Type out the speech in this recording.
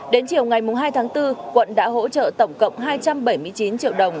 đến chiều ngày hai tháng bốn quận đã hỗ trợ tổng cộng hai trăm bảy mươi chín triệu đồng